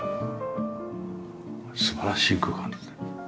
素晴らしい空間ですね。